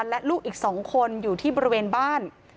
และลูกอีก๒คนอยู่ที่บริเวณบ้าน